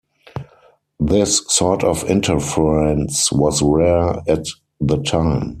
This sort of interference was rare at the time.